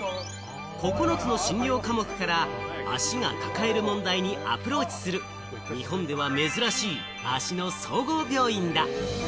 ９つの診療科目から足が抱える問題にアプローチする日本では珍しい足の総合病院だ。